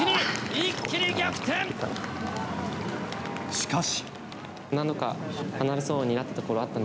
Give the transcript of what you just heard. しかし。